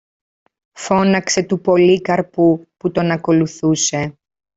φώναξε του Πολύκαρπου που τον ακολουθούσε.